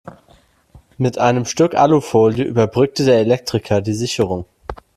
Mit einem Stück Alufolie überbrückte der Elektriker die Sicherung.